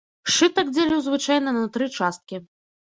Сшытак дзялю звычайна на тры часткі.